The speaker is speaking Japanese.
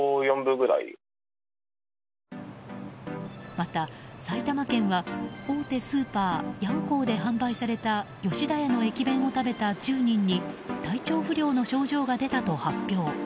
また埼玉県は、大手スーパーヤオコーで販売された吉田屋の駅弁を食べた１０人に体調不良の症状が出たと発表。